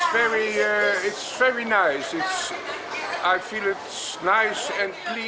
saya merasa itu baik dan bersih